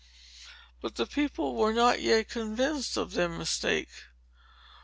But the people were not yet convinced of their mistake.